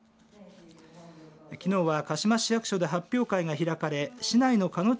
きのうは鹿嶋市役所で発表会が開かれ市内の鹿野中